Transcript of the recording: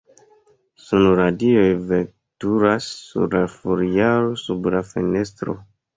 Sunradioj vetkuras sur la foliaro sub la fenestro.